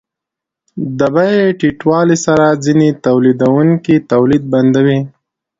د بیې ټیټوالي سره ځینې تولیدونکي تولید بندوي